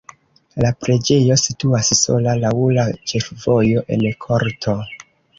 La preĝejo situas sola laŭ la ĉefvojo en korto.